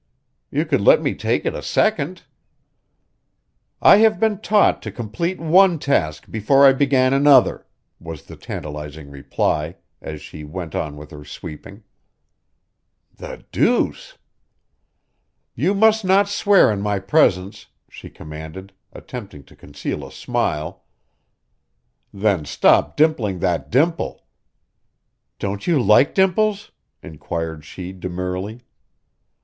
"You could let me take it a second." "I have been taught to complete one task before I began another," was the tantalizing reply, as she went on with her sweeping. "The deuce!" "You must not swear in my presence," she commanded, attempting to conceal a smile. "Then stop dimpling that dimple." "Don't you like dimples?" inquired she demurely.